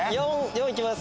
４いきます。